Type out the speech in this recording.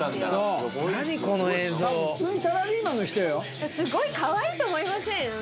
すごいかわいいと思いません？